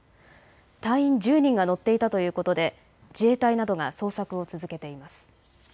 隊員１０人が乗っていたということで自衛隊などが捜索を続けています。